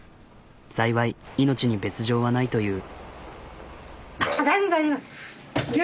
幸い命に別状はないという。